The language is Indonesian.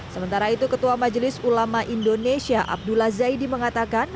sementara itu ketua majelis ulama indonesia abdullah zaidi mengatakan